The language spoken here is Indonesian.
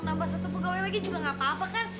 nampak satu pegawai lagi juga nggak apa apa kan